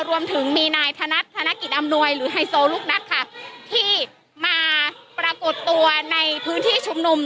รวมถึงมีนายธนัดธนกิจอำนวยหรือไฮโซลูกนัดค่ะที่มาปรากฏตัวในพื้นที่ชุมนุม